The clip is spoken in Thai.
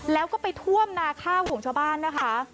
แล้วก็ไปท่วมนาข้าวของชาวบ้านนะคะ